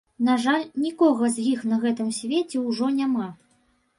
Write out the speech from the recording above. На жаль, нікога з іх на гэтым свеце ўжо няма.